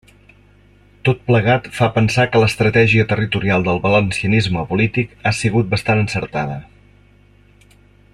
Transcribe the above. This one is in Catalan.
Tot plegat fa pensar que l'estratègia territorial del valencianisme polític ha sigut bastant encertada.